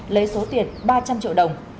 lấy số tiền ba trăm linh triệu đồng